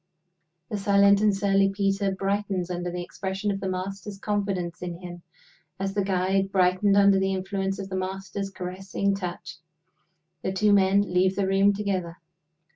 The silent and surly Peter brightens under the expression of the Master's confidence in him, as the guide brightened under the influence of the Master's caressing touch. The two men leave the room together.